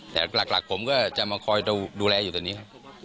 แต่หลักผมคือจะมาดูแลอยู่ตรงนี้